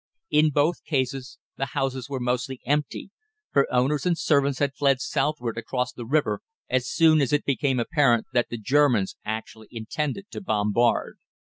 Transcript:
In both cases the houses were mostly empty, for owners and servants had fled southward across the river as soon as it became apparent that the Germans actually intended to bombard.